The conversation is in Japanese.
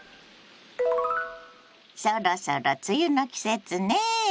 そろそろ梅雨の季節ね。